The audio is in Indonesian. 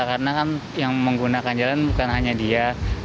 karena kan yang menggunakan jalan bukan hanya dia